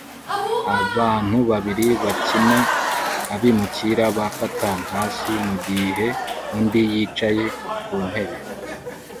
Abantu babiri bakina Abimukira ba Catan hasi mugihe undi yicaye ku ntebe